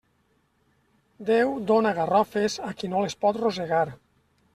Déu dóna garrofes a qui no les pot rosegar.